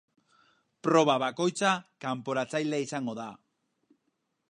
Proba bakoitza kanporatzailea izango da.